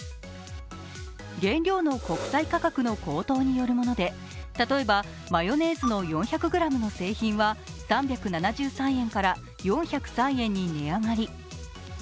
原料の国際価格の高騰によるもので、例えばマヨネーズの４００ｇの製品は３７３円から４０３円に値上がり。